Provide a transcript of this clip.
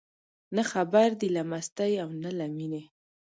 نه خبر دي له مستۍ او نه له مینې